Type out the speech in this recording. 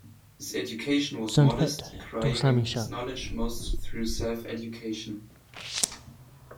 His education was modest, acquiring his knowledge mostly through self-education.